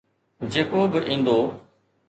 جيڪو به ايندو.